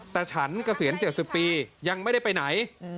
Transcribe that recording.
แต่ฉันเกษียณ๗๐ปียังไม่ได้ไปไหน